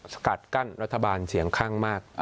สกัดกั้นรัฐบาลเสียงข้างมาก